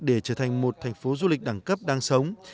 để trở thành một thành phố du lịch đẳng cấp đang sống